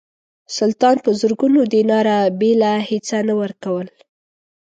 سلطان په زرګونو دیناره بېله هیڅه نه ورکول.